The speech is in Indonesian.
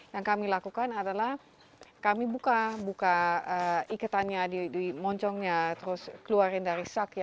yang kami lakukan adalah kami buka iketannya di moncongnya terus keluarin dari sak ya